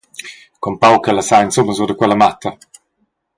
Con pauc ch’el sa insumma sur da quella matta.